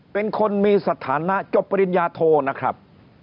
เป็นคนมีสถานะจบปริญญาโทนะครับ